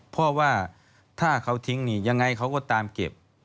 เพราะว่าถ้าเขาทิ้งนี่ยังไงเขาก็ตามเก็บ